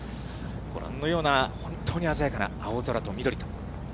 ご覧のように、本当に鮮やかな青空と緑と。